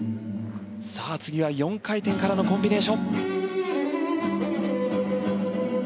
次は４回転からのコンビネーション。